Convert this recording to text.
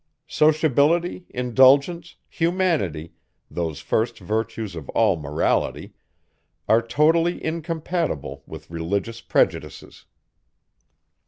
Sociability, indulgence, humanity, those first virtues of all morality, are totally incompatible with religious prejudices.